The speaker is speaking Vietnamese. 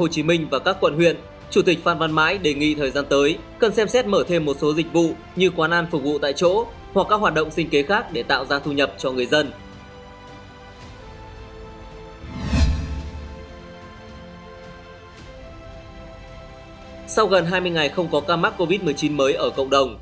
sau gần hai mươi ngày không có ca mắc covid một mươi chín mới ở cộng đồng